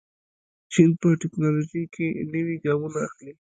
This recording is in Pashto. چین په تکنالوژۍ کې نوي ګامونه اخلي.